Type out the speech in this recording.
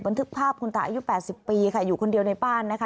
บันทึกภาพคุณตาอายุ๘๐ปีค่ะอยู่คนเดียวในบ้านนะคะ